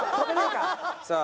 さあ